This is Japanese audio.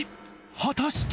果たして！？